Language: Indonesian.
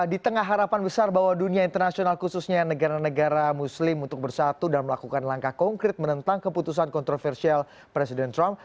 di tengah harapan besar bahwa dunia internasional khususnya negara negara muslim untuk bersatu dan melakukan langkah konkret menentang keputusan kontroversial presiden trump